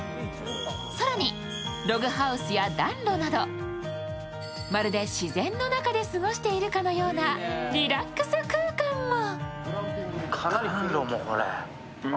更に、ログハウスや暖炉などまるで自然の中で過ごしているかのようなリラックス効果も。